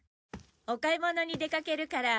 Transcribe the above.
お買い物に出かけるから。